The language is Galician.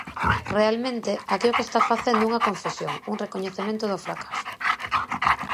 Realmente, aquí o que está facendo é unha confesión, un recoñecemento do fracaso.